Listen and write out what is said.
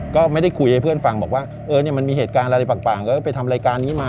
ก็ไม่ได้คุยให้เพื่อนฟังบอกว่ามันมีเหตุการณ์อะไรต่างก็ไปทำรายการนี้มา